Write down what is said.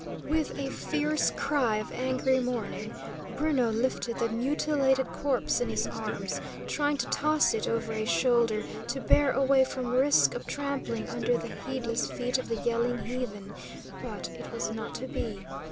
With a fierce cry of angry mourning, Bruno lifted the mutilated corpse in his arms, trying to toss it over a shoulder, to bear away from risk of trampling under the heedless feet of the yelling heathen; but it was not to be.